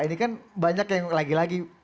ini kan banyak yang lagi lagi